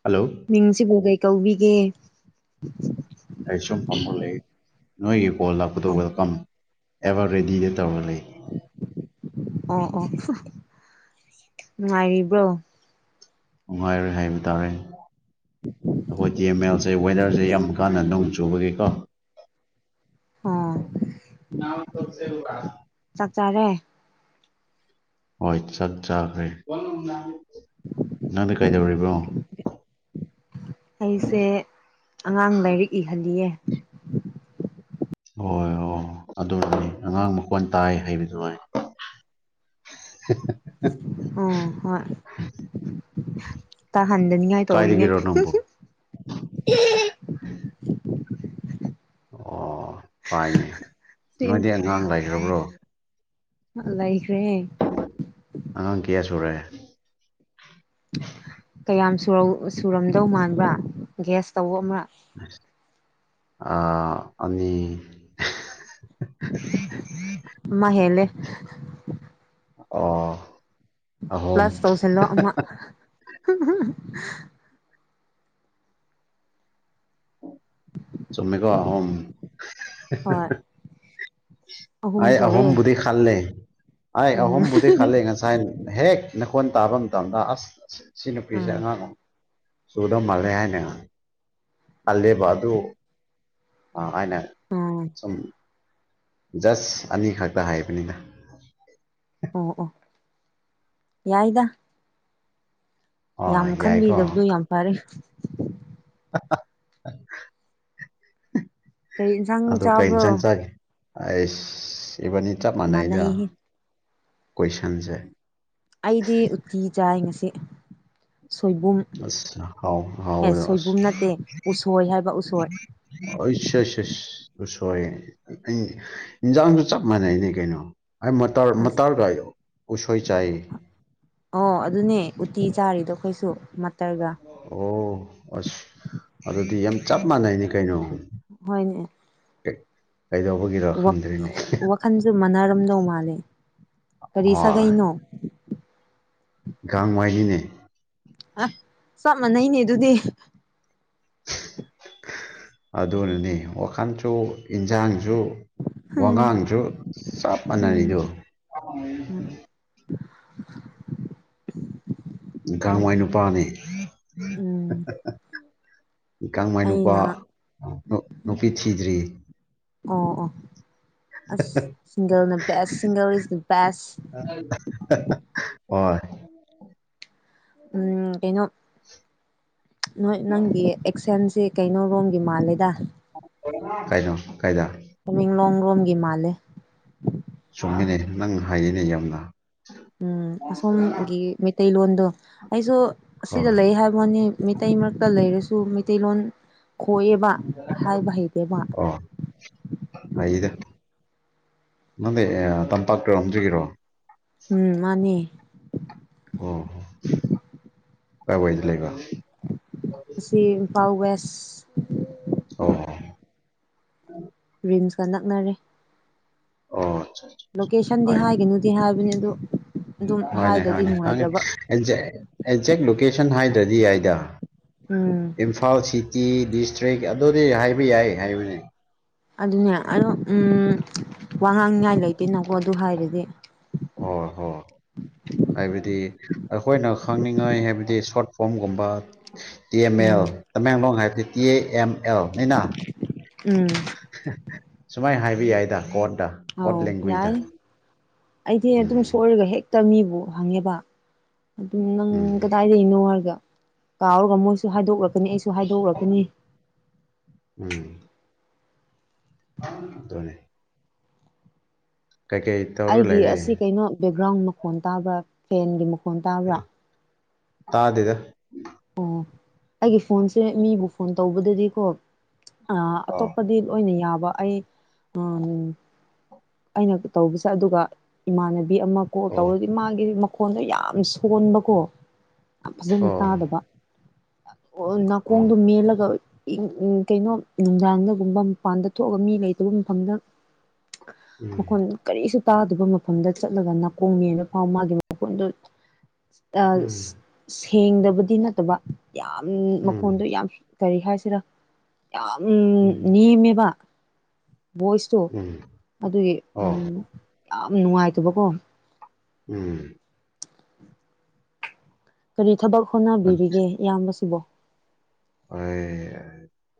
ꯍꯣꯢ ꯃꯤꯡꯁꯤꯕꯨ ꯀꯩ ꯀꯧꯕꯤꯒꯦ ꯑꯩ ꯁꯨꯝ ꯐꯝꯃꯒ ꯂꯩꯌꯦ ꯅꯣꯏꯒꯤ ꯕꯣꯜ ꯑꯣ ꯂꯥꯛꯄꯗꯨꯒ ꯀꯣ ꯑꯦꯕꯔ ꯔꯦꯗꯤꯗꯤ ꯇꯧꯔ ꯂꯩ ꯑꯣ ꯑꯣ ꯅꯨꯡꯉꯥꯏꯔꯤꯕ꯭ꯔꯣ ꯅꯨꯡꯉꯥꯏꯔꯤ ꯍꯥꯏꯕ ꯇꯥꯔꯦ ꯑꯩꯈꯣꯏ ꯇꯤ ꯑꯦꯝ ꯑꯦꯜꯁꯦ ꯋꯦꯗꯔꯁꯦ ꯌꯥꯝ ꯀꯥꯟꯅ ꯅꯨꯡ ꯆꯨꯕꯒꯤ ꯀꯣ ꯑꯣ ꯅꯥꯞ ꯇꯣꯟ ꯁꯦꯟ ꯔ ꯆꯥꯛ ꯆꯥꯔꯦ ꯍꯣꯏ ꯆꯥꯛ ꯆꯥꯒ꯭ꯔꯦ ꯅꯪꯗꯤ ꯀꯩꯗꯧꯔꯤꯕꯅꯣ ꯑꯩꯁꯦ ꯑꯉꯥꯡ ꯂꯥꯏꯔꯤꯛ ꯏꯍꯜꯂꯤꯌꯦ ꯍꯣꯏ ꯍꯣ ꯑꯗꯨꯅꯤ ꯑꯉꯥꯡ ꯃꯈꯣꯟ ꯇꯥꯏ ꯍꯥꯏꯕꯗꯨ ꯑꯩ ꯍ ꯍ ꯍ ꯎꯝ ꯍꯣꯏ ꯇꯥ ꯍꯟꯗꯅꯤꯡ ꯉꯥꯏ ꯇꯧꯔꯤꯅꯦ ꯀꯥꯏꯗꯒꯤꯔꯣ ꯅꯪꯕꯨ ꯑꯣ ꯇꯥꯏꯅꯦ ꯁꯤ ꯅꯣꯏꯗꯤ ꯑꯉꯥꯡ ꯂꯩꯈ꯭ꯔꯕ꯭ꯔꯣ ꯑ ꯂꯩ ꯈ꯭ꯔꯦ ꯑꯉꯥꯡ ꯀꯌꯥ ꯁꯨꯔꯦ ꯌꯥꯝ ꯁꯨꯔꯧ ꯁꯨꯔꯝꯗꯧ ꯃꯥꯟꯕ꯭ꯔꯥ ꯒ꯭ꯌꯦꯁ ꯇꯧꯑꯣ ꯑꯃ ꯑ ꯑꯅꯤ ꯑꯃ ꯍꯦꯜꯂꯦ ꯑꯣ ꯑꯍꯨꯝ ꯄ꯭ꯂꯁ ꯇꯧꯁꯤꯜꯂꯣ ꯑꯃ ꯆꯨꯝ ꯃꯦꯀꯣ ꯑꯍꯨꯝ ꯍꯣꯏ ꯑꯩ ꯑꯍꯨꯝ ꯕꯨꯗꯤ ꯈꯜꯂꯦ ꯑꯩꯥ ꯎꯝ ꯑꯍꯨꯝꯕꯨꯗꯤ ꯈꯂꯦ ꯉꯁꯥꯏ ꯍꯦꯛ ꯅꯈꯣꯟ ꯇꯥꯕ ꯃꯇꯝꯗ ꯑꯁ ꯁꯤ ꯅꯨꯄꯤꯁ ꯑꯥ ꯑꯉꯥꯡ ꯁꯨꯗ ꯃꯥꯜꯂꯦ ꯍꯥꯏꯅ ꯈꯜꯂꯦꯕ ꯑꯗꯨ ꯑ ꯑꯩꯅ ꯑꯥ ꯁꯨꯝ ꯖꯁ ꯑꯅꯤꯈꯛꯇ ꯍꯥꯏꯕꯅꯤꯅ ꯑꯣ ꯑꯣ ꯌꯥꯏꯗ ꯑꯣ ꯌꯥꯝ ꯌꯥꯏꯀꯣ ꯈꯟꯕꯤꯗꯕꯗꯨ ꯌꯥꯝ ꯐꯔꯦ ꯀꯔꯤ ꯏꯟꯁꯥꯡ ꯑꯗꯨ ꯀꯩ ꯆꯥꯕ꯭ꯔꯣ ꯍꯤꯡꯖꯥꯡ ꯆꯥꯒꯦ ꯑꯩꯁ ꯏꯕꯅꯤ ꯆꯞ ꯃꯥꯟꯅꯩꯗ ꯃꯥꯟꯅꯩꯍꯦ ꯀꯣꯏꯁꯟꯁꯦ ꯑꯩꯗꯤ ꯎꯇꯤ ꯆꯥꯏ ꯉꯁꯤ ꯁꯣꯏꯕꯨꯝ ꯑꯁ ꯍꯥꯎ ꯑꯦ ꯍꯥꯎꯋꯦ ꯑꯁ ꯁꯣꯏꯕꯨꯝ ꯅꯠꯇꯦ ꯎꯁꯣꯏ ꯍꯥꯏꯕ ꯎꯁꯣꯏ ꯑꯁ ꯍꯁ ꯍꯁ ꯑ ꯁꯣꯔꯤ ꯑꯩ ꯏꯟꯖꯥꯡꯗꯣ ꯆꯞ ꯃꯥꯟꯅꯩꯅꯦ ꯀꯩꯅꯣ ꯑꯩ ꯃꯇꯔ ꯑꯁ ꯃꯇꯥꯔꯒꯥꯏꯗꯣ ꯎꯁꯣꯏ ꯆꯥꯏꯌꯦ ꯑꯣ ꯑꯗꯨꯅꯦ ꯎꯇꯤ ꯆꯥꯔꯤꯗꯣ ꯑꯩꯈꯣꯏꯁꯨ ꯃꯇꯔꯒ ꯑꯣ ꯑꯁ ꯑꯗꯨꯗꯤ ꯌꯥꯝ ꯆꯞ ꯃꯥꯟꯅꯩꯅꯤ ꯀꯩꯅꯣ ꯍꯣꯏꯅꯦ ꯑꯦ ꯋꯥ ꯋꯥꯈꯟꯁꯨ ꯃꯥꯟꯅꯔꯝꯗꯧ ꯃꯥꯜꯂꯦ ꯀꯔꯤ ꯁꯥꯒꯩꯅꯣ ꯥꯒꯥꯡꯃꯥꯏꯅꯤꯅꯦ ꯍ ꯆꯞ ꯃꯥꯟꯅꯩꯅꯦ ꯑꯗꯨꯗꯤ ꯑꯗꯨꯅꯅꯤ ꯋꯥꯈꯟꯁꯨ ꯏꯟꯁꯥꯡꯁꯨ ꯎꯝ ꯋꯥꯉꯥꯡꯁꯨ ꯆꯞ ꯃꯥꯟꯅꯔꯤꯗꯣ ꯎꯝ [inaudible] ꯒꯥꯡꯃꯥꯏ ꯅꯨꯄꯥꯅꯦ ꯎꯝ ꯒꯥꯡꯃꯥꯏ ꯅꯨꯨꯄꯥ ꯑꯩꯅ ꯅꯨꯄꯤ ꯊꯤꯗ꯭ꯔꯤ ꯑꯣ ꯑꯣ ꯑꯁ ꯁꯤꯡꯒꯜꯅ ꯕꯦꯁ ꯁꯤꯡꯒꯜ ꯏꯁ ꯗꯥ ꯕꯦꯁ ꯍꯣꯏ ꯎꯝ ꯀꯩꯅꯣ ꯅꯣꯏ ꯅꯪꯒꯤ ꯑꯦꯛꯁꯦꯟꯁꯤ ꯀꯩꯅꯣ ꯔꯣꯝꯒꯤ ꯃꯥꯜꯂꯦꯗ ꯀꯩꯅꯣ ꯀꯥꯏꯗ ꯇꯃꯦꯡꯂꯣꯡ ꯔꯣꯝꯒꯤ ꯃꯥꯂꯦ ꯆꯨꯝꯃꯤꯅꯦ ꯅꯪ ꯍꯩꯌꯦꯅꯦ ꯌꯥꯝꯅ ꯎꯝ ꯑꯁꯣꯝꯒꯤ ꯃꯩꯇꯩꯂꯣꯟꯗꯣ ꯑꯩꯁꯨ ꯑꯁꯤꯗ ꯍꯣꯏ ꯂꯩ ꯍꯥꯏꯕꯋꯥꯅꯦ ꯃꯩꯇꯩ ꯃꯔꯛꯇ ꯂꯩꯔꯁꯨ ꯃꯩꯇꯩꯂꯣꯟ ꯈꯣꯏꯌꯦꯕ ꯍꯥꯏꯕ ꯍꯩꯇꯦꯕ ꯑꯣ ꯍꯥꯏꯗ ꯅꯪꯗꯤ ꯑꯦ ꯇꯝꯄꯥꯛꯔꯣꯝꯗꯒꯤꯔꯣ ꯎꯝ ꯃꯥꯅꯤ ꯑꯣ ꯀꯥꯏ ꯋꯥꯏꯗ ꯂꯩꯕꯥ ꯑꯁꯤ ꯏꯝꯐꯥꯜ ꯋꯦꯁ ꯑꯣ ꯔꯤꯝꯁꯀ ꯅꯛꯅꯔꯦ ꯑꯣ ꯂꯣꯀꯦꯁꯟꯗꯤ ꯍꯣꯏꯅꯦ ꯍꯥꯏꯒꯅꯨꯗꯤ ꯍꯥꯏꯕꯅꯦ ꯑꯗꯨ ꯑꯗꯨꯝ ꯍꯣꯏꯅꯦ ꯍꯥꯏꯗꯗꯤ ꯍꯣꯏꯅꯦ ꯅꯨꯡꯉꯥꯏꯇ꯭ꯔꯕ ꯑꯦꯛꯖꯦꯛ ꯑꯦꯛꯖꯦꯛ ꯂꯣꯀꯦꯁꯟ ꯍꯥꯏꯗ꯭ꯔꯗꯤ ꯌꯥꯏꯗ ꯎꯝ ꯏꯝꯐꯥꯜ ꯁꯤꯇꯤ ꯗꯤꯁꯇ꯭ꯔꯤꯛ ꯑꯗꯨꯅꯦ ꯍꯥꯏꯕ ꯌꯥꯏ ꯍꯥꯏꯕꯅꯤ ꯑꯗꯨꯅꯦ ꯑꯗꯣ ꯎꯝ ꯋꯥ ꯉꯥꯡꯅꯤꯉꯥꯏ ꯂꯩꯇꯦꯅꯀꯣ ꯑꯗꯨ ꯍꯥꯏꯔꯗꯤ ꯑꯣ ꯍꯣ ꯍꯥꯏꯕꯗꯤ ꯑꯩꯈꯣꯏꯅ ꯈꯪꯅꯤꯡꯉꯥꯏ ꯍꯥꯏꯕꯗꯤ ꯁꯣꯔꯠ ꯐꯣꯝꯒꯨꯝꯕ ꯇꯤ ꯑꯦꯝ ꯑꯦꯜ ꯎꯝ ꯇꯃꯦꯡꯂꯣꯡ ꯍꯥꯏꯕꯗꯤ ꯇꯤ ꯑꯦ ꯑꯦꯝ ꯑꯦꯜꯅꯤꯅ ꯎꯝ ꯁꯨꯃꯥꯏꯅ ꯍꯥꯏꯕ ꯌꯥꯏꯗ ꯀꯣꯔꯠꯇ ꯀꯣꯔꯠ ꯑꯧ ꯌꯥꯏ ꯂꯦꯡꯒ꯭ꯋꯦꯁꯇ ꯑꯩꯗꯤ ꯑꯗꯨꯝ ꯁꯣꯏꯔꯒ ꯍꯦꯛꯇ ꯃꯤꯕꯨ ꯍꯪꯉꯦꯕ ꯑꯗꯨꯝ ꯅꯪ ꯎꯝ ꯀꯗꯥꯏꯗꯒꯤꯅꯣ ꯍꯥꯏꯔꯒ ꯀꯥꯎꯔꯒ ꯃꯣꯏꯁꯨ ꯍꯥꯏꯗꯣꯛꯂꯛꯀꯅꯤ ꯑꯩꯁꯨ ꯨ ꯍꯥꯏꯗꯣꯛꯔꯛꯀꯅꯤ ꯗꯨꯅꯦ ꯑꯩꯒꯤ ꯂꯩꯔꯦ ꯑꯁꯤ ꯀꯩꯅꯣ ꯕꯦꯛꯒ꯭ꯔꯥꯎꯟ ꯃꯈꯣꯟ ꯇꯥꯕ꯭ꯔꯥ ꯐꯦꯟꯒꯤ ꯃꯈꯣꯟ ꯇꯥꯕ꯭ꯔꯥ ꯇꯥꯗꯦꯗ ꯑꯣ ꯑꯩꯒꯤ ꯐꯣꯟꯁꯦ ꯃꯤꯕꯨ ꯐꯣꯟ ꯇꯧꯕꯗꯗꯤꯀꯣ ꯑ ꯑꯣ ꯑꯇꯣꯞꯄꯗꯤ ꯂꯣꯏꯅ ꯌꯥꯕ ꯕ ꯑꯩ ꯎꯝ ꯑꯩꯅ ꯇꯧꯕꯁꯨ ꯑꯗꯨꯒ ꯏꯃꯥꯟꯅꯕ ꯕꯤ ꯑꯃ ꯀꯣꯜ ꯑꯣ ꯇꯧꯔꯗꯤ ꯃꯥꯒꯤ ꯃꯈꯣꯟꯗꯣ ꯌꯥꯝ ꯁꯣꯟꯕꯀꯣ ꯌꯥꯝ ꯐꯖꯅ ꯑꯣ ꯇꯥꯗꯕ ꯑꯣ ꯑꯣ ꯅꯥꯀꯣꯡꯗꯣ ꯃꯦꯜꯂꯒ ꯏꯪ ꯏꯪ ꯀꯩꯅꯣ ꯅꯨꯡꯗꯥꯡꯗꯒꯨꯝꯕ ꯃꯄꯥꯟꯗ ꯊꯣꯛꯑꯒ ꯃꯤ ꯂꯩꯇꯕ ꯃꯐꯝꯗ ꯎꯝ ꯃꯈꯣꯟꯗꯣ ꯀꯔꯤꯁꯨ ꯇꯥꯗꯕ ꯃꯐꯝꯗ ꯆꯠꯂꯒ ꯅꯥꯀꯣꯡ ꯃꯦꯜꯂ ꯐꯥꯎ ꯃꯥꯒꯤ ꯃꯈꯣꯟꯗꯨ ꯑ ꯎꯝ ꯁꯦꯡꯗꯕꯗꯤ ꯅꯠꯇꯕ ꯌꯥꯝ ꯎꯝ ꯃꯈꯣꯟꯗꯣ ꯌꯥꯝ ꯀꯔꯤ ꯍꯥꯏꯁꯤꯔ ꯌꯥꯝ ꯎꯝ ꯅꯦꯝꯃꯦꯕ ꯚꯣꯏꯁꯇꯣ ꯎꯝ ꯑꯗꯨꯒꯤ ꯑꯣ ꯎꯝ ꯌꯥꯝ ꯅꯨꯡꯉꯥꯏꯇꯕꯀꯣ ꯎꯝ ꯀꯔꯤ ꯊꯕꯛ ꯍꯣꯠꯅꯕꯤꯔꯤꯒꯦ ꯏꯌꯥꯝꯕꯁꯤꯕꯣ ꯑꯩ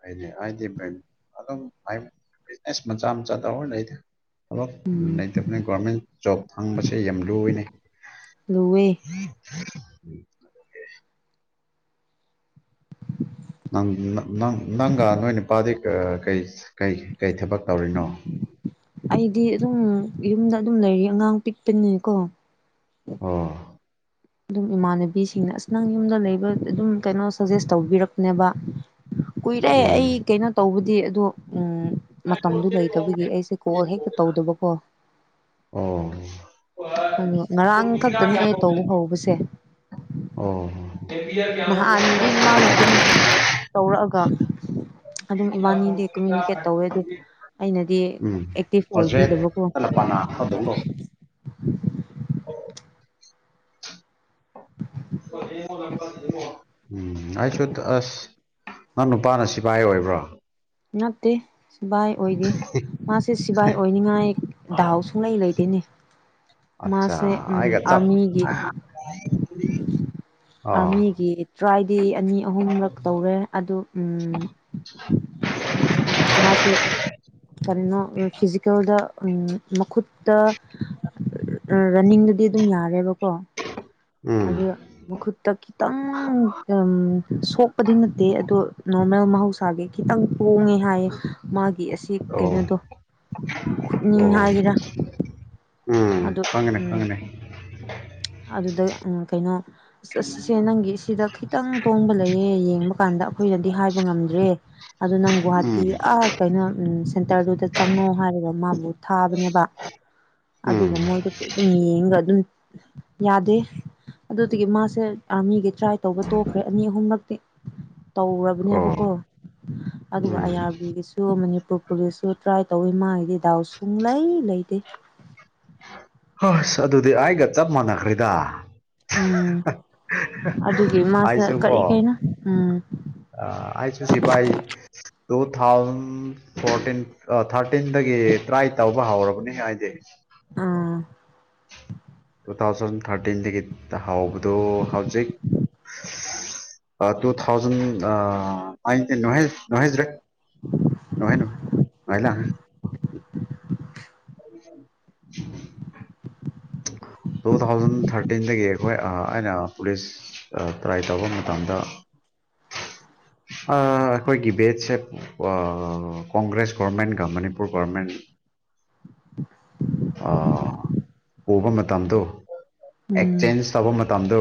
ꯍꯥꯏꯗꯤ ꯍꯥꯏꯗꯤ ꯀꯩꯝ ꯑꯗꯨꯝ ꯍꯥꯢꯗꯤ ꯕꯤꯖꯤꯅꯦꯁ ꯃꯆꯥ ꯃꯆꯥ ꯇꯧꯔ ꯂꯩꯗ ꯊꯕꯛ ꯂꯩꯇꯕꯅꯤ ꯒꯣꯔꯃꯦꯟ ꯖꯣꯕ ꯐꯪꯕꯁꯦ ꯌꯥꯝ ꯂꯨꯏꯌꯦꯅꯦ ꯨꯂꯨꯋꯦ [inaudible] ꯅ- ꯅ- ꯅꯪ- ꯅꯪꯒ ꯅꯣꯏ ꯅꯨꯄꯥꯗꯤ ꯑꯥ ꯀꯩ- ꯀꯩ- ꯀꯩ- ꯊꯕꯛ ꯇꯧꯔꯤꯅꯣ ꯑꯩꯗꯤ ꯑꯗꯨꯝ ꯌꯨꯝꯗ ꯑꯗꯨꯝ ꯂꯩꯔꯤ ꯑꯉꯥꯡ ꯄꯤꯛꯄꯅꯤꯀꯣ ꯑꯣ ꯑꯗꯨꯝ ꯏꯃꯥꯟꯅꯕꯤꯁꯤꯡꯅ ꯑꯁ ꯅꯪ ꯌꯨꯝꯗ ꯂꯩꯕ ꯑꯗꯨꯝ ꯀꯩꯅꯣ ꯁꯖꯦꯁ ꯇꯧꯕꯤꯔꯛꯄꯅꯦꯕ ꯀꯨꯏꯔꯦ ꯎꯝ ꯑꯩ ꯀꯩꯅꯣ ꯇꯧꯕꯗꯤ ꯑꯗꯣ ꯎꯝ ꯃꯇꯝꯗꯨ ꯂꯩꯇꯕꯒꯤ ꯑꯩꯁꯦ ꯀꯣꯜ ꯍꯦꯛꯇ ꯇꯧꯗꯕꯀꯣ ꯑꯣ ꯑꯪ ꯉꯔꯥꯡ ꯈꯛꯇꯅꯦ ꯑꯩ ꯇꯧꯕ ꯍꯧꯕꯁꯦ ꯅꯍꯥꯟꯗꯤ ꯃꯥꯅ ꯑꯗꯨꯝ ꯑꯣ ꯇꯧꯔꯛꯑꯒ ꯑꯗꯨꯝ ꯏꯕꯥꯅꯤꯗꯤ ꯀꯃꯨꯅꯤꯀꯦꯠ ꯇꯧꯋꯦ ꯑꯗꯨ ꯑꯩꯅꯗꯤ ꯎꯝ ꯑꯦꯛꯇꯤꯚ ꯑꯣꯏꯕꯤꯗꯕꯀꯣ ꯄ꯭ꯔꯣꯖꯦꯛꯇꯅ ꯄꯅꯥ ꯈꯔ ꯑꯗꯨꯝ ꯎꯝ ꯑꯩꯁꯨ ꯑꯁ ꯅꯪ ꯅꯨꯄꯥꯅ ꯁꯤꯐꯥꯏ ꯑꯣꯏꯕ꯭ꯔꯣ ꯅꯠꯇꯦ ꯁꯤꯕꯥꯏ ꯑꯣꯏꯗꯦ ꯃꯥꯁꯦ ꯁꯤꯕꯥꯏ ꯑꯣꯏꯅꯤꯡꯉꯥꯏ ꯗꯥꯎ ꯁꯨꯡꯂꯩ ꯂꯩꯇꯦꯅꯦ ꯑꯆꯥ ꯃꯥꯁꯦ ꯎꯝ ꯑꯩꯒ ꯆꯞ ꯑꯥꯔꯃꯤꯒꯤ ꯑꯥ ꯑꯥꯔꯃꯤꯒꯤ ꯇ꯭ꯔꯥꯏꯗꯤ ꯑꯅꯤ ꯑꯍꯨꯝꯔꯛ ꯇꯧꯔꯦ ꯑꯗꯨ ꯎꯝ [inaudible] ꯃꯥꯁꯦ ꯀꯔꯤꯅꯣ ꯑꯝ ꯐꯤꯖꯤꯀꯦꯜꯗ ꯑꯝ ꯃꯈꯨꯠꯇ ꯔꯟꯅꯤꯡꯗꯗꯤ ꯑꯗꯨꯝ ꯌꯥꯔꯦꯕꯀꯣ ꯎꯝ ꯑꯗꯨ ꯃꯈꯨꯠꯇ ꯈꯤꯇꯪ ꯎꯝ ꯁꯣꯛꯄꯗꯤ ꯅꯠꯇꯦ ꯑꯗꯣ ꯅꯣꯔꯃꯦꯜ ꯃꯍꯧꯁꯥꯒꯤ ꯈꯤꯇꯪ ꯇꯣꯡꯉꯦ ꯍꯥꯏꯌꯦ ꯃꯥꯒꯤ ꯑꯁꯤ ꯑꯣ ꯀꯩꯅꯣꯗꯣ ꯈꯨꯠꯅꯤꯡ ꯑꯣ ꯍꯥꯏꯒꯦꯔꯥ ꯎꯝ ꯑꯗꯨ ꯈꯪꯉꯦꯅꯦ ꯎꯝ ꯈꯪꯉꯦꯅꯦ ꯑꯗꯨꯗ ꯎꯝ ꯀꯩꯅꯣ ꯁꯤꯁꯦ ꯅꯪꯒꯤ ꯁꯤꯗ ꯈꯤꯇꯪ ꯇꯣꯡꯕ ꯂꯩꯌꯦ ꯌꯦꯡꯕ ꯀꯥꯟꯗ ꯑꯩꯈꯣꯏꯅ ꯗꯤ ꯍꯥꯏꯕ ꯉꯝꯗ꯭ꯔꯦ ꯑꯗꯨ ꯅꯪ ꯒꯨꯍꯥꯇꯤ ꯎꯝ ꯑꯥ ꯀꯩꯅꯣ ꯁꯦꯟꯇꯔꯗꯨꯗ ꯆꯪꯉꯣ ꯍꯥꯏꯔꯒ ꯃꯥꯕꯨ ꯊꯥꯕꯅꯦꯕ ꯎꯝ ꯑꯗꯨꯒ ꯃꯣꯏꯗꯣ ꯑꯗꯨꯝ ꯌꯦꯡꯒ ꯑꯗꯨꯝ ꯌꯥꯗꯦ ꯑꯗꯨꯗꯒꯤ ꯃꯥꯁꯦ ꯑꯥꯔꯃꯤꯒꯤ ꯇ꯭ꯔꯥꯏ ꯇꯧꯕ ꯇꯣꯛꯈ꯭ꯔꯦ ꯑꯅꯤ ꯑꯍꯨꯝꯂꯛꯇꯤ ꯑꯣ ꯇꯧꯔꯕꯅꯦꯕꯀꯣ ꯑꯗꯨꯒ ꯎꯝ ꯑꯥꯏ ꯑꯥꯔꯕꯤꯒꯤꯁꯨ ꯃꯅꯤ ꯄꯨꯔ ꯄꯨꯂꯤꯁꯁꯨ ꯇ꯭ꯔꯥꯏ ꯇꯧꯋꯤ ꯃꯥꯒꯤꯗꯤ ꯗꯥꯎ ꯁꯨꯡ ꯂꯩ ꯂꯩꯇꯦ ꯍꯁ ꯑꯗꯨꯗꯤ ꯑꯥꯏꯒ ꯆꯞ ꯃꯥꯟꯅꯈ꯭ꯔꯦꯗ ꯎꯝ ꯑꯗꯨꯒꯤ ꯃꯥꯁꯦ ꯀꯔꯤ ꯀꯩꯅꯣ ꯎꯝ ꯑꯥ ꯑꯩꯁꯨ ꯁꯤꯐꯥꯏ ꯇꯨ ꯊꯥꯎꯟ ꯐꯣꯔꯇꯤꯟ ꯑ ꯊꯥꯔꯇꯤꯟꯗꯒꯤ ꯇ꯭ꯔꯥꯏ ꯇꯧꯕ ꯍꯧꯔꯕꯅꯤ ꯑꯩꯗꯤ ꯎꯝ ꯇꯨ ꯊꯥꯎꯖꯟ ꯊꯥꯔꯇꯤꯟꯗꯒꯤ ꯍꯧꯕꯗꯨ ꯍꯧꯖꯤꯛ ꯑ ꯇꯨ ꯊꯥꯎꯖꯟ ꯑꯥ ꯑꯩꯇꯤꯟ [inaudible] [unintelligible] ꯇꯨ ꯊꯥꯎꯖꯟ ꯊꯥꯔꯇꯤꯟꯗꯒꯤ ꯑꯩꯈꯣꯏ ꯑ ꯑꯩꯅ ꯄꯨꯂꯤꯁ ꯑ ꯇ꯭ꯔꯥꯏ ꯇꯧꯕ ꯃꯇꯝꯗ ꯑ ꯑꯩꯈꯣꯏꯒꯤ ꯕꯦꯠꯁꯦ ꯀꯣꯡꯒ꯭ꯔꯦꯁ ꯒꯣꯔꯃꯦꯟꯒ ꯃꯅꯤꯄꯨꯔ ꯒꯣꯔꯃꯦꯟ ꯑ ꯄꯨꯕ ꯃꯇꯝꯗꯨ ꯎꯝ ꯑꯦꯛꯆꯦꯟꯁ ꯇꯧꯕ ꯃꯇꯝꯗꯨ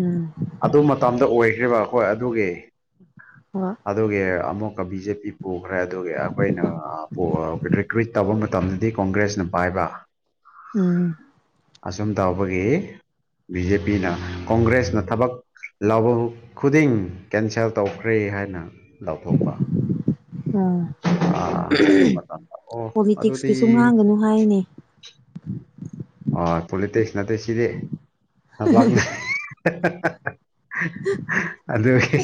ꯎꯝ ꯑꯗꯨ ꯃꯇꯝꯗ ꯑꯣꯏꯈ꯭ꯔꯦꯕ ꯍꯣꯏ ꯑꯗꯨꯒꯤ ꯍꯣꯏ ꯑꯗꯨꯒꯤ ꯑꯃꯨꯛ ꯕꯤ ꯖꯦ ꯄꯤ ꯄꯨꯈ꯭ꯔꯦ ꯑꯗꯨꯒꯤ ꯑꯩꯈꯣꯏꯅ ꯑ ꯄꯨ ꯔꯤꯀ꯭ꯔꯨꯏꯠ ꯇꯧꯕ ꯃꯇꯝꯗꯗꯤ ꯀꯣꯡꯒ꯭ꯔꯦꯁꯅ ꯄꯥꯏꯕ ꯎꯝ ꯑꯁꯨꯝ ꯇꯧꯕꯒꯤ ꯕꯤ ꯖꯦ ꯄꯤꯅ ꯀꯣꯡꯒ꯭ꯔꯦꯁꯅ ꯊꯕꯛ ꯂꯧꯕ ꯈꯨꯗꯤꯡ ꯀꯦꯟꯁꯦꯜ ꯇꯧꯈ꯭ꯔꯦ ꯍꯥꯏꯅ ꯂꯥꯎꯊꯣꯛꯄ ꯎꯝ ꯑ ꯑꯗꯨ ꯃꯇꯝꯗ ꯑꯣ ꯑꯗꯨꯗꯤ ꯄꯣꯂꯤꯇꯤꯛꯁꯀꯤꯁꯨ ꯉꯥꯡꯒꯅꯨ ꯍꯥꯏꯅꯦ ꯑ ꯄꯣꯂꯤꯛꯇꯤꯛꯁ ꯅꯠꯇꯦ ꯁꯤꯗꯤ [inaudible] ꯑꯗꯨꯒꯤ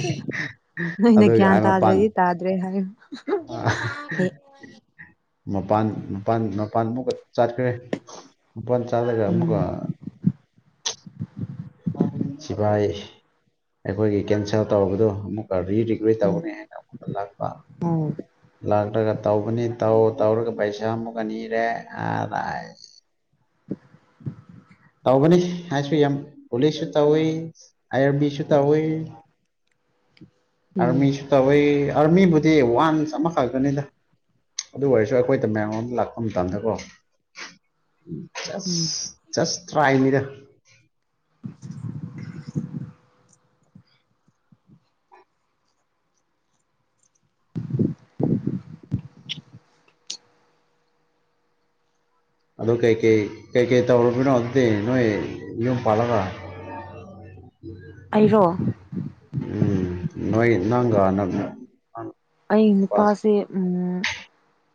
ꯅꯣꯏꯅ ꯑꯗꯨꯒꯤ ꯒ꯭ꯌꯥꯟ ꯑꯩ ꯃꯄꯥꯟ ꯇꯥꯗ꯭ꯔꯗꯤ ꯇꯥꯗ꯭ꯔꯦ ꯍꯥꯏꯌꯨ ꯍꯥ ꯍꯦ ꯃꯄꯥꯟ ꯃꯄꯥꯟ ꯃꯄꯥꯟꯃꯨꯛꯀ ꯆꯥꯠꯈ꯭ꯔꯦ ꯐꯠ ꯆꯠꯂꯒ ꯑꯃꯨꯛ ꯎꯝ ꯂꯥꯛ ꯁꯤꯐꯥꯏ ꯑꯩꯈꯣꯏꯒꯤ ꯀꯦꯟꯁꯦꯜ ꯇꯧꯕꯗꯨ ꯑꯃꯨꯛ ꯔꯤ ꯔꯤꯒꯨꯂꯦꯠ ꯎꯝ ꯇꯧꯅꯤ ꯍꯥꯏꯅ ꯑꯃꯨꯛꯀ ꯂꯥꯛꯄ ꯑꯣ ꯂꯥꯛꯂꯒ ꯇꯧꯒꯅꯤ ꯇꯧ ꯇꯧꯔꯒ ꯄꯩꯁꯥ ꯑꯃꯨꯛꯀꯅꯤꯔꯦ ꯑꯥꯔ ꯑꯥꯏ [inaudible] ꯇꯧꯕꯅꯤ ꯍꯥꯏꯁꯨ ꯌꯥꯝ ꯄꯨꯂꯤꯁꯁꯨ ꯇꯧꯏ ꯑꯥꯏ ꯑꯥꯔꯕꯤꯁꯨ ꯇꯧꯏ ꯎꯝ ꯑꯥꯔꯃꯤꯁꯨ ꯇꯧꯏ ꯑꯥꯔꯃꯤꯕꯨꯗꯤ ꯋꯥꯟꯁ ꯑꯃꯈꯛꯇꯅꯦꯗ ꯑꯗꯨ ꯑꯣꯏꯔꯁꯨ ꯑꯩꯈꯣꯏꯗ ꯃꯌꯥꯝ ꯑꯃ ꯂꯥꯛꯄ ꯃꯇꯝꯗꯀꯣ ꯑꯁ ꯆꯁ ꯇ꯭ꯔꯥꯏꯅꯤꯗ [inaudible] ꯑꯗꯣ ꯀꯩꯀꯩ ꯀꯩꯀꯩ ꯇꯧꯔꯕꯅꯣ ꯑꯗꯨꯗꯤ ꯅꯣꯏ ꯌꯨꯝ ꯄꯥꯜꯂꯒ [inaudible] ꯑꯩꯔꯣ ꯎꯝ ꯅꯣꯏ ꯅꯪꯒ ꯅꯪ ꯑꯩ ꯅꯨꯄꯥꯁꯦ ꯎꯝ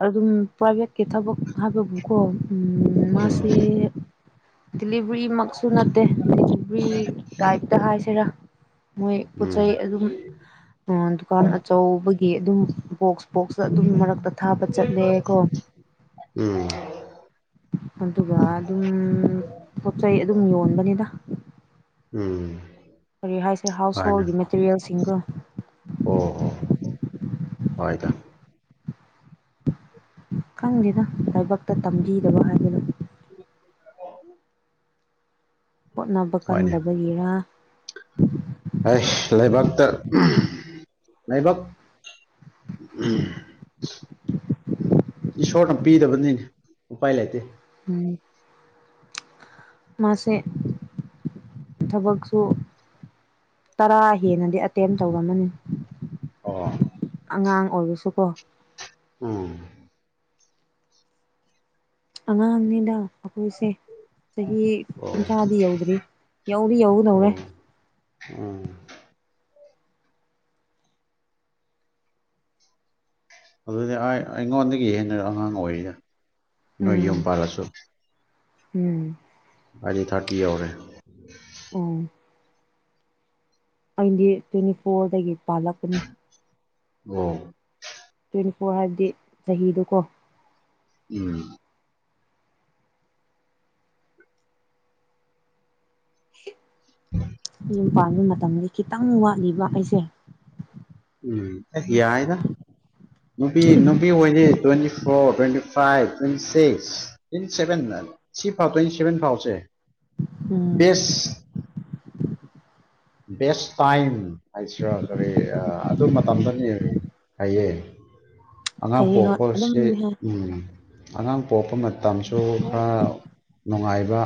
ꯑꯗꯨꯝ ꯄ꯭ꯔꯥꯏꯚꯦꯠꯀꯤ ꯊꯕꯛ ꯍꯥꯏꯕꯕꯨꯀꯣ ꯎꯝ ꯃꯥꯁꯦ ꯗꯤꯂꯤꯚ꯭ꯔꯤꯃꯛꯁꯨ ꯅꯠꯇꯦ ꯗꯤꯂꯤꯚ꯭ꯔꯤ ꯇꯥꯏꯞꯇ ꯍꯥꯏꯁꯤꯔꯥ ꯃꯣꯏ ꯄꯣꯠ ꯎꯝ ꯆꯩꯩ ꯑꯗꯨꯝ ꯑ ꯗꯨꯀꯥꯟ ꯑꯆꯧꯕꯒꯤ ꯑꯗꯨꯝ ꯕꯣꯛꯁ ꯕꯣꯛꯁ ꯑꯗꯨꯝ ꯃꯔꯛꯇ ꯊꯥꯕ ꯆꯠꯂꯦ ꯀꯣ ꯎꯝ ꯑꯗꯨꯒ ꯑꯗꯨꯝ ꯄꯣꯠꯆꯩꯩ ꯑꯗꯨꯝ ꯌꯣꯟꯕꯅꯤꯗ ꯎꯝ ꯀꯔꯤ ꯍꯥꯏꯁꯦ ꯍꯥꯎꯁꯍꯣꯜꯒꯤ ꯃꯦꯇꯔꯤꯌꯦꯜꯁꯤꯡꯒ ꯑꯣꯍꯣ ꯍꯣꯏꯗ ꯈꯪꯗꯦꯗ ꯂꯥꯏꯕꯛꯇ ꯇꯝꯕꯤꯗꯕ ꯍꯥꯏꯕꯗꯨ [inaudible] ꯍꯣꯠꯅꯕ ꯀꯟꯗꯕꯒꯤꯔꯥ ꯍꯩꯁ ꯂꯥꯏꯕꯥꯛꯇ [unintelligible] ꯂꯥꯏꯕꯛ ꯎꯝ ꯏꯁꯣꯔꯅ ꯄꯤꯗꯕꯅꯤꯅꯦ ꯎꯄꯥꯏ ꯂꯩꯇꯦ ꯎꯝ ꯃꯥꯁꯦ ꯊꯕꯛꯁꯨ ꯇꯔꯥ ꯍꯦꯟꯅꯗꯤ ꯑꯇꯦꯝ ꯇꯧꯔꯝꯃꯅꯤ ꯑꯣ ꯑꯉꯥꯡ ꯑꯣꯏꯔꯁꯨꯀꯣ ꯎꯝ ꯑꯉꯥꯡꯅꯤꯗ ꯑꯈꯣꯏꯁꯦ ꯆꯍꯤ ꯑꯣ ꯀꯨꯟꯊ꯭ꯔꯥꯗꯤ ꯌꯧꯗ꯭ꯔꯤ ꯌꯧꯗꯤ ꯌꯧꯒꯗꯧꯔꯦ ꯑꯣ ꯎꯝ ꯑꯗꯨꯗꯤ ꯑꯥꯏ ꯑꯩꯉꯣꯟꯗꯒꯤ ꯍꯦꯟꯅ ꯑꯉꯥꯡ ꯑꯣꯏꯔꯤꯗ ꯅꯣꯏ ꯎꯝ ꯌꯨꯝ ꯄꯥꯜꯂꯁꯨ ꯎꯝ ꯑꯩꯗꯤ ꯊꯥꯔꯇꯤ ꯌꯧꯔꯦ ꯎꯝ ꯑꯩꯗꯤ ꯇꯣꯏꯟꯇꯤ ꯐꯣꯔꯗꯒꯤ ꯄꯥꯜꯂꯛꯄꯅꯦ ꯑꯣ ꯐꯣ ꯍꯥꯏꯕꯗꯤ ꯆꯍꯤꯗꯣꯀꯣ ꯎꯝ ꯌꯨꯝ ꯄꯥꯟꯕ ꯃꯇꯝꯗꯤ ꯈꯤꯇꯪ ꯋꯥꯠꯂꯤꯕ ꯑꯩꯁꯦ ꯎꯝ ꯌꯥꯏꯗ ꯅꯨꯄꯤ ꯅꯨꯄꯤ ꯍꯣꯏꯗꯤ twenty four twenty five twenty six twenty seven ꯁꯤ ꯐꯥꯎ ꯇ꯭ꯋꯦꯟꯇꯤ ꯁꯦꯚꯦꯟ ꯐꯥꯎꯁꯦ ꯎꯝ ꯄꯦꯁ ꯕꯦꯁ ꯇꯥꯏꯝ ꯍꯥꯏꯁꯤꯔꯥ ꯀꯔꯤ ꯑ ꯑꯗꯨ ꯃꯇꯝꯗꯅꯤ ꯍꯥꯏꯌꯦ ꯑꯉꯥꯡ ꯐꯩꯌꯦ ꯍꯣꯏ ꯄꯣꯛꯄꯁꯦ ꯑꯗꯨꯝꯗꯤ ꯍꯥꯏ ꯎꯝ ꯑꯉꯥꯡ ꯄꯣꯛꯄ ꯃꯇꯝꯁꯨ ꯈꯔ ꯅꯨꯡꯉꯥꯏꯕ